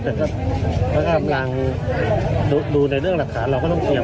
เข้าไปแล้วครับเพราะกำลังดูดูในเรื่องหลักฐานเราก็ต้องเตรียม